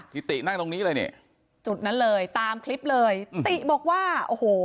ตินั่งตรงนี้เลยนี่จุดนั้นเลยตามคลิปเลยติบอกว่าโอ้โห